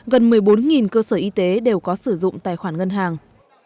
gần một mươi bốn cơ sở y tế đều có sử dụng tài khoản ngân hàng